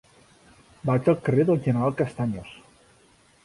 Vaig al carrer del General Castaños.